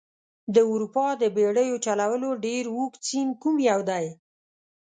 د اروپا د بیړیو چلولو ډېر اوږد سیند کوم یو دي؟